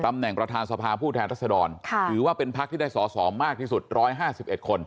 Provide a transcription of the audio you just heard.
ตำแหน่งประธานสภาผู้แทนรัฐดรคือว่าเป็นภักดิ์ที่ได้สอสออมากที่สุด๑๕๑คน